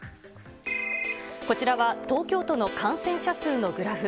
こちらは東京都の感染者数のグラフ。